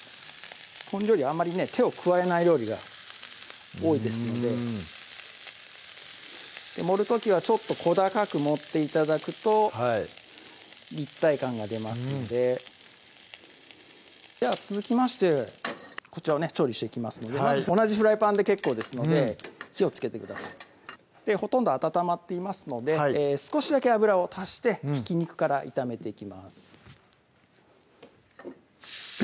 この料理あんまりね手を加えない料理が多いですので盛る時はちょっと小高く盛って頂くと立体感が出ますのででは続きましてこちらをね調理していきますので同じフライパンで結構ですので火をつけてくださいほとんど温まっていますので少しだけ油を足してひき肉から炒めていきます